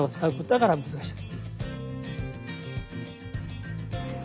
だから難しい。